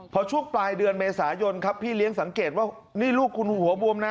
พอช่วงปลายเดือนเมษายนครับพี่เลี้ยงสังเกตว่านี่ลูกคุณหัวบวมนะ